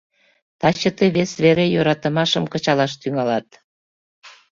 Таче тый вес вере йӧратымашым кычалаш тӱҥалат.